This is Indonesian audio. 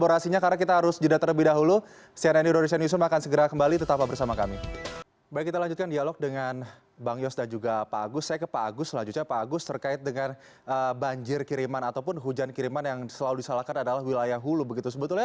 masyarakat harus bertanggung jawab juga terhadap banjir